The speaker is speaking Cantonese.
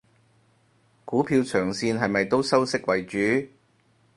股票長線係咪都收息為主？